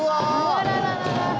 あららららら。